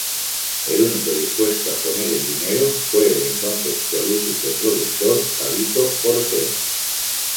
El único dispuesto a poner el dinero, fue el entonces prolífico productor Palito Ortega.